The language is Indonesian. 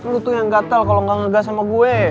lo tuh yang gatel kalau gak ngegas sama gue